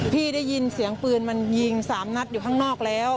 ได้ยินเสียงปืนมันยิง๓นัดอยู่ข้างนอกแล้ว